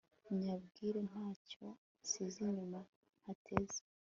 nyabwire nta cyo nsize inyuma ntateze